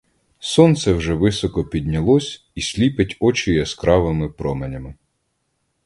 Сонце вже високо піднялось і сліпить очі яскравими променями.